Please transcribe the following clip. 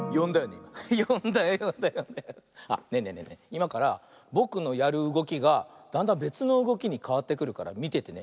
いまからぼくのやるうごきがだんだんべつのうごきにかわってくるからみててね。